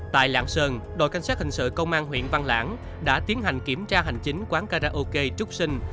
tại lạng sơn đội canh sát hình sự công an huyện văn lãng đã tiến hành kiểm tra hành chính quán karaoke trúc sinh